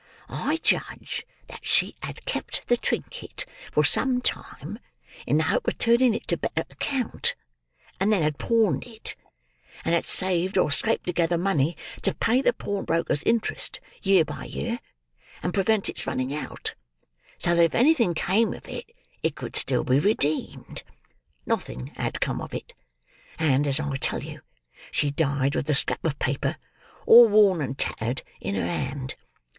"I judge that she had kept the trinket, for some time, in the hope of turning it to better account; and then had pawned it; and had saved or scraped together money to pay the pawnbroker's interest year by year, and prevent its running out; so that if anything came of it, it could still be redeemed. Nothing had come of it; and, as I tell you, she died with the scrap of paper, all worn and tattered, in her hand.